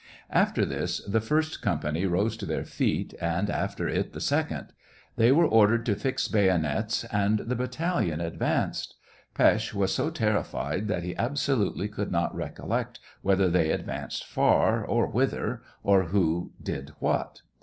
After this the first company rose to their feet, and after it the second. They were ordered to fix bayonets, and the battalion advanced. Pesth was so terrified that he absolutely could not recollect whether they advanced far, or whither, or who did what.